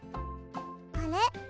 あれ？